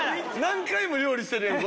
何回も料理してるやん